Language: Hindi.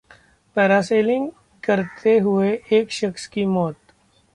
पैरासेलिंग करते हुए एक शख्स की मौत